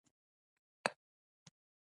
ایا میرویس نیکه له ګرګین څخه غچ اخلي؟